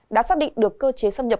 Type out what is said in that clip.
đã xác định được cơ chế xâm nhập